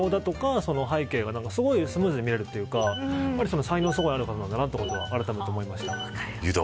葛藤とか背景がすごいスムーズに見えるというか才能がすごいある方なんだなとあらためて思いました。